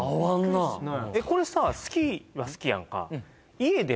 これさ好きは好きやんか？